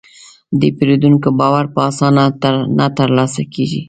د پیرودونکي باور په اسانه نه ترلاسه کېږي.